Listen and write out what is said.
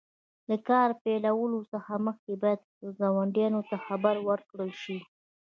د کار پیلولو څخه مخکې باید ګاونډیانو ته خبر ورکړل شي.